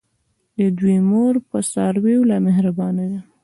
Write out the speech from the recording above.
د دوی مور په څارویو لا مهربانه وي.